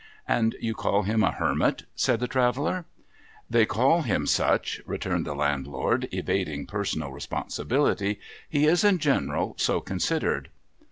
' And you call him a Hermit ?' said the Traveller. ' They call him such,' returned the Landlord, evading personal responsibility ;' he is in general so considered.'